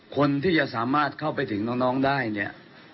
คนที่จะสามารถเข้าไปถึงน้องได้เนี่ย